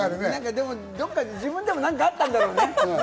でも自分でも何かあったんだろうね。